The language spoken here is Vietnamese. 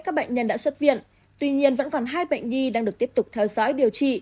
các bệnh nhân đã xuất viện tuy nhiên vẫn còn hai bệnh nhi đang được tiếp tục theo dõi điều trị